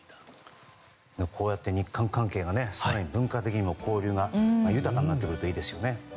こうやって日韓関係が更に文化的にも交流が豊かになってくるといいですよね。